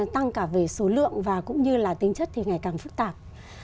tăng cả về số lượng và cũng như là tính chất thì ngày càng phát triển